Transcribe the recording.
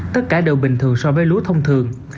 tất cả đều bình thường so với lúa thông thường